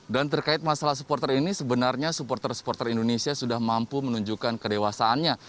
dan terkait masalah supporter ini sebenarnya supporter supporter indonesia sudah mampu menunjukkan kedewasaannya